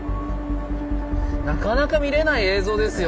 なかなか見れない映像ですよ